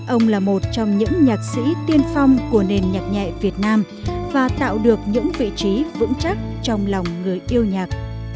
ông là một trong những nhạc sĩ tiên phong của nền nhạc nhẹ việt nam và tạo được những vị trí vững chắc trong lòng người yêu nhạc